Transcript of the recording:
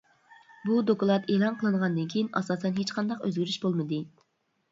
بۇ دوكلات ئېلان قىلىنغاندىن كېيىن ئاساسەن ھېچقانداق ئۆزگىرىش بولمىدى.